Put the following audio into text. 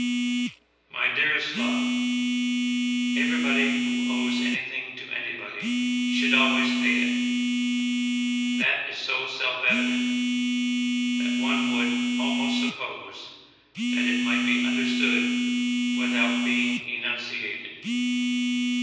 "My dearest love, everybody who owes anything to anybody should always pay it. That is so self evident that one would almost suppose that it might be understood without being enunciated.